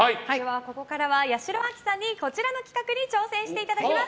ここからは八代亜紀さんにこちらの企画に挑戦していただきます。